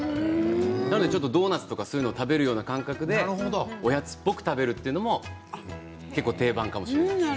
だからドーナツとかそういうのを食べる感覚でおやつっぽく食べるというのも結構定番かもしれない。